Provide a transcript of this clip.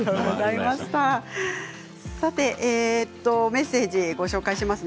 メッセージです。